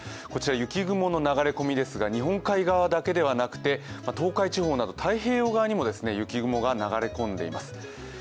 こちら、雪雲の流れ込みですが、日本海側だけでなくて東海地方など太平洋側にも雪雲が流れ込んでいます。